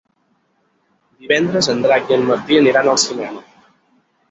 Divendres en Drac i en Martí aniran al cinema.